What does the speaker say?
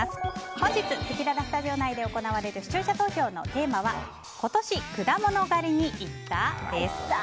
本日せきららスタジオ内で行われる視聴者投票のテーマは今年果物狩りに行った？です。